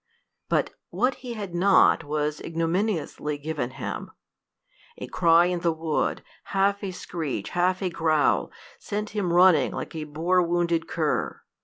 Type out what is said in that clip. But what he had not was ignominiously given him. A cry in the wood, half a screech, half a growl, sent him running like a boar wounded cur.